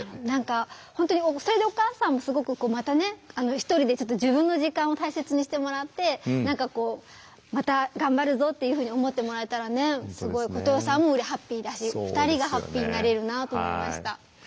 何か本当にそれでお母さんもすごくこうまたね１人で自分の時間を大切にしてもらって何かこうまた頑張るぞっていうふうに思ってもらえたらねすごい琴世さんもハッピーだし２人がハッピーになれるなと思いました。